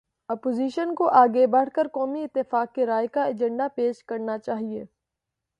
Opposition کو آگے بڑھ کر قومی اتفاق رائے کا ایجنڈا پیش کرنا چاہیے۔